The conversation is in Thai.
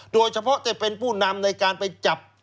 โดยเฉพาะจะเป็นผู้นำในการไปจับ